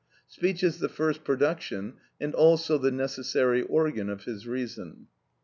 Speech is the first production, and also the necessary organ of his reason.